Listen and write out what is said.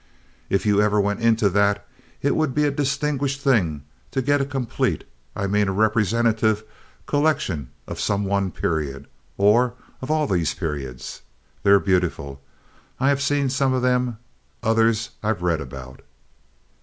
If you ever went into that, it would be a distinguished thing to get a complete—I mean a representative—collection of some one period, or of all these periods. They are beautiful. I have seen some of them, others I've read about."